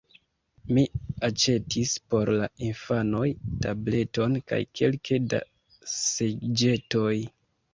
Mi aĉetis por la infanoj tableton kaj kelke da seĝetoj.